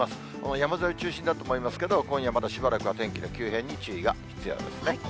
山沿いを中心だと思いますけども、今夜まだしばらくは、天気の急変に注意が必要ですね。